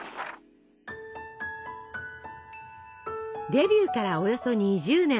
デビューからおよそ２０年。